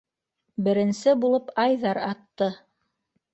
Беренсе булып Айҙар атты.